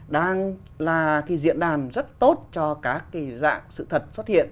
đang là cái diễn đàn rất tốt cho các cái dạng sự thật xuất hiện